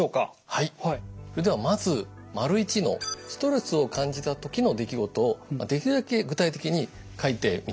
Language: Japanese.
それではまず①の「ストレスを感じた時の出来事」をできるだけ具体的に書いてみていただけますか？